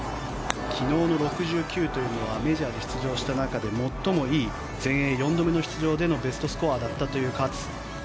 昨日の６９というのはメジャー出場した中で最もいい全英４度目の出場でのベストスコアだった勝。